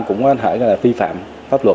cũng có thể là phi phạm pháp luật